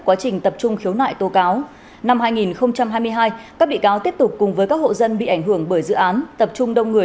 quá trình tập trung khiếu nại tố cáo năm hai nghìn hai mươi hai các bị cáo tiếp tục cùng với các hộ dân bị ảnh hưởng bởi dự án tập trung đông người